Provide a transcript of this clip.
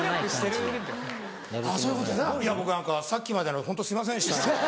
僕何かさっきまでのホントすいませんでした。